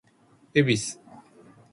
恵比寿